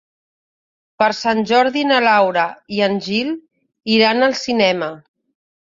Per Sant Jordi na Laura i en Gil iran al cinema.